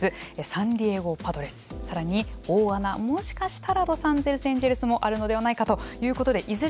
サンディエゴ・パドレスさらに大穴もしかしたらロサンゼルス・エンジェルスもあるのではないかということでいずれも井口さん